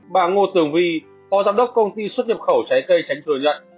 bà ngô tường vy phó giám đốc công ty xuất nhập khẩu trái cây tránh thừa nhận